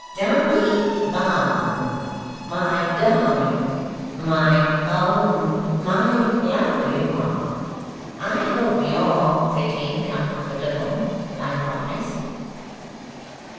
Dolly Varden, my darling my own, my lovely one I hope YOU'RE pretty comfortable likewise.